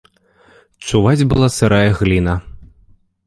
Чуваць была сырая гліна.